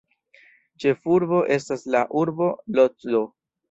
Ĉefurbo estas la urbo Lodzo.